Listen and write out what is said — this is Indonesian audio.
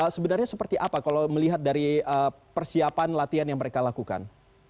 sebenarnya seperti apa kalau melihat dari persiapan latihan yang mereka lakukan